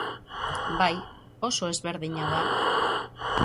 Bai, oso ezberdina da.